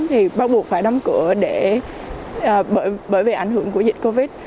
thì bắt buộc phải đóng cửa để bởi vì ảnh hưởng của dịch covid